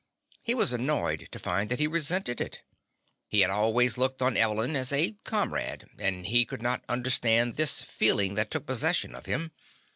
He was annoyed to find that he resented it. He had always looked on Evelyn as a comrade, and he could not understand this feeling that took possession of him.